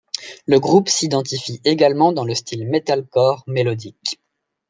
Le groupe s'identifie également dans le style metalcore mélodique.